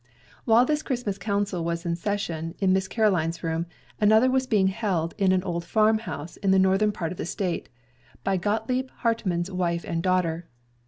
While this Christmas council was in session in Miss Caroline's room, another was being held in an old farm house in the northern part of the State, by Gottlieb Hartmann's wife and daughter.